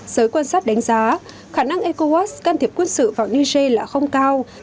giới quan sát đánh giá khả năng ecowas can thiệp quân sự vào niger là không cao